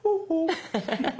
アハハハ。